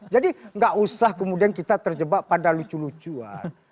jadi tidak usah kemudian kita terjebak pada lucu lucuan